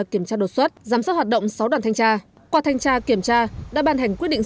kiểm tra đột xuất giám sát hoạt động sáu đoàn thanh tra qua thanh tra kiểm tra đã ban hành quyết định